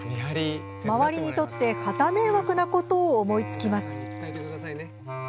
周りにとってはた迷惑なことを思いつきます。